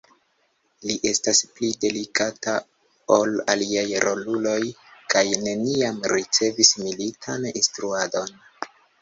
Li estas pli delikata ol aliaj roluloj, kaj neniam ricevis militan instruadon.